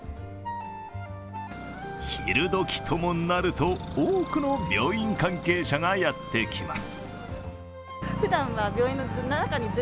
昼どきともなると、多くの病院関係者がやってきます。